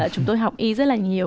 chúng tôi học y rất là nhiều